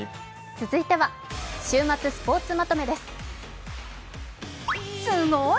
続いては「週末スポーツまとめ」です。